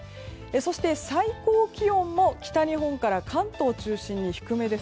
そして、最高気温も北日本から関東を中心に低め。